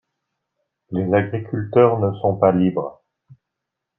Les agriculteurs ne sont pas libres.